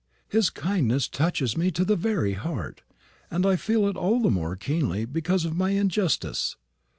His kindness touches me to the very heart, and I feel it all the more keenly because of my injustice."